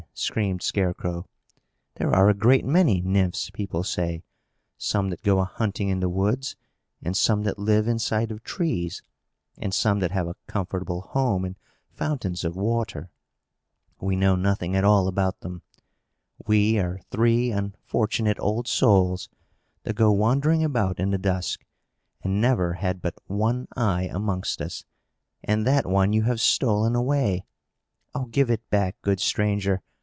screamed Scarecrow. "There are a great many Nymphs, people say; some that go a hunting in the woods, and some that live inside of trees, and some that have a comfortable home in fountains of water. We know nothing at all about them. We are three unfortunate old souls, that go wandering about in the dusk, and never had but one eye amongst us, and that one you have stolen away. Oh, give it back, good stranger!